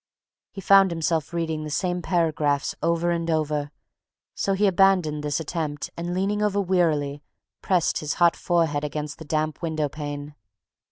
He found himself reading the same paragraphs over and over, so he abandoned this attempt and leaning over wearily pressed his hot forehead against the damp window pane.